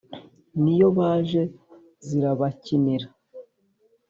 n'iyo baje zirabakinira